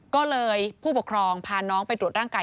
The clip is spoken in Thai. ก็เลยผู้ปกครองพาน้องไปตรวจร่างกาย